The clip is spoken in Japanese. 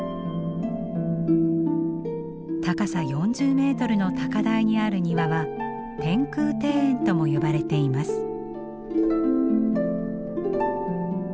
高さ４０メートルの高台にある庭は天空庭園とも呼ばれています。